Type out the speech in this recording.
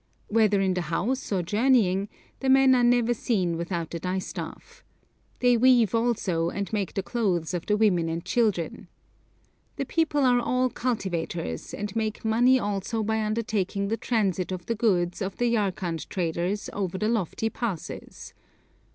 Whether in the house or journeying the men are never seen without the distaff. They weave also, and make the clothes of the women and children! The people are all cultivators, and make money also by undertaking the transit of the goods of the Yarkand traders over the lofty passes.